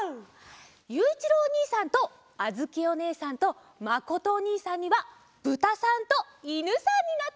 ゆういちろうおにいさんとあづきおねえさんとまことおにいさんにはぶたさんといぬさんになってもらおうっと。